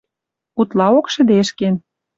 Утлаок шӹдешкен